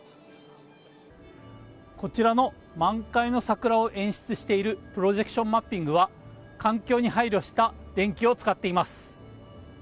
こちらの満開の桜を演出しているプロジェクションマッピングは環境に配慮した電気を使っています。